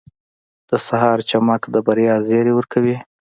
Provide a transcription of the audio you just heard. • د سهار چمک د بریا زیری ورکوي.